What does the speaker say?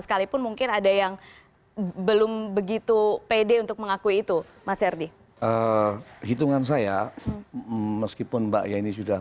ada yang belum begitu pede untuk mengakui itu mas herdy e hitungan saya meskipun mbak ya ini sudah